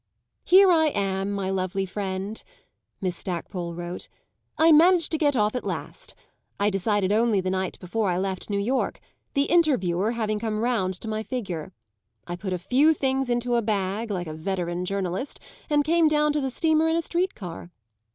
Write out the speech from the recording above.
"Here I am, my lovely friend," Miss Stackpole wrote; "I managed to get off at last. I decided only the night before I left New York the Interviewer having come round to my figure. I put a few things into a bag, like a veteran journalist, and came down to the steamer in a street car.